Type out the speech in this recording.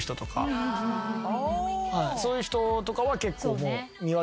そういう人とかは結構。